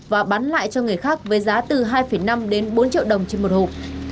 và bán lại cho người khác với giá từ hai năm đến bốn triệu đồng trên một hộp